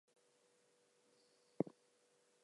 When he walks in the meadows he is no higher than the grass.